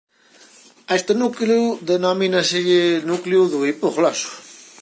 A este núcleo denomínaselle núcleo do hipogloso.